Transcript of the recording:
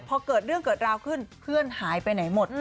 พอเกิดเรื่องเกิดราวขึ้นเพื่อนหายไปไหนหมด